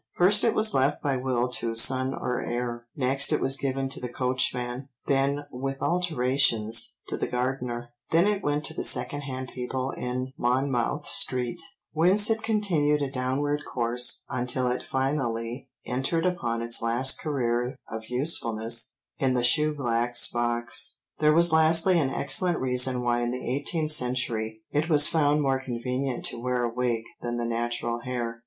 First it was left by will to son or heir; next it was given to the coachman; then, with alterations, to the gardener; then it went to the second hand people in Monmouth Street, whence it continued a downward course until it finally entered upon its last career of usefulness in the shoeblack's box. There was lastly an excellent reason why in the eighteenth century it was found more convenient to wear a wig than the natural hair.